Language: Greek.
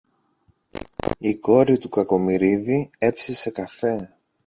η κόρη του Κακομοιρίδη έψησε καφέ